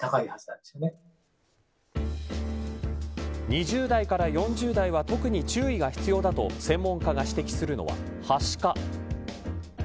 ２０代から４０代は特に注意が必要だと専門家が指摘するのは、はしか。